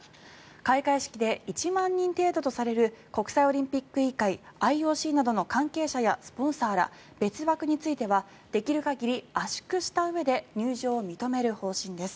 開会式で１万人程度とされる国際オリンピック委員会・ＩＯＣの関係者やスポンサーら別枠についてはできる限り圧縮したうえで入場を認める方針です。